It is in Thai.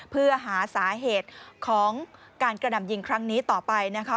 เพื่อหาสาเหตุของการกระหน่ำยิงครั้งนี้ต่อไปนะคะ